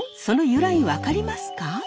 その由来分かりますか？